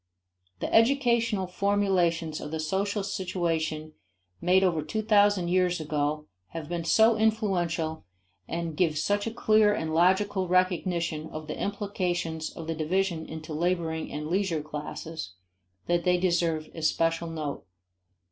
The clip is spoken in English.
The educational formulations of the social situation made over two thousand years ago have been so influential and give such a clear and logical recognition of the implications of the division into laboring and leisure classes, that they deserve especial note.